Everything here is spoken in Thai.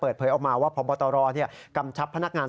เปิดเผยออกมาว่าพปตร